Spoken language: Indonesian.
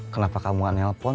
kenapa kamu gak nelpon